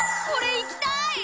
これ行きたい！